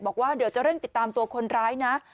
บอกว่าเดี๋ยวจะเร่งติดตามตัวคนร้ายนะ